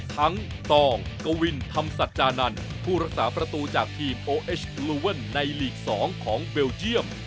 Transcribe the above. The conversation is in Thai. ตองกวินธรรมสัจจานันทร์ผู้รักษาประตูจากทีมโอเอชลูเวิลในลีก๒ของเบลเยี่ยม